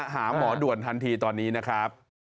หาหมอด่วนทันทีตอนนี้นะครับ